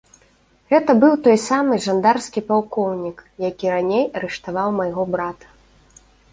Гэта быў той самы жандарскі палкоўнік, які раней арыштаваў майго брата.